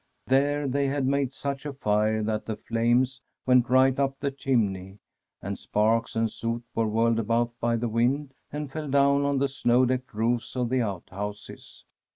There they had made such a fire that the flames went right up the chimney, and sparks and soot were whirled about by the wind, and fell down on the snow decked roofs of the outhouses.